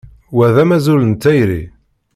Wa d azamul n tayri.